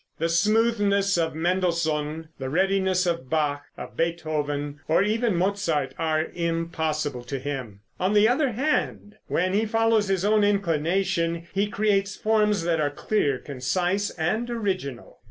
The smoothness of Mendelssohn, the readiness of Bach, of Beethoven, or even Mozart, are impossible to him. On the other hand, when he follows his own inclination, he creates forms that are clear, concise and original.